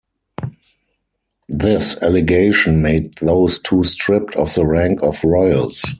This allegation made those two stripped of the rank of royals.